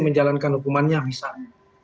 menjalankan hukumannya misalnya